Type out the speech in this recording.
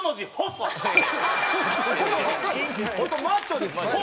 細マッチョですよ。